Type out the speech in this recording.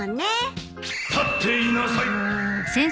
立っていなさい